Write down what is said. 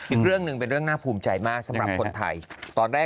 อีกเรื่องหนึ่งเป็นเรื่องน่าภูมิใจมากสำหรับคนไทยตอนแรก